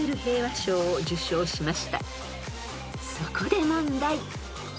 ［そこで問題］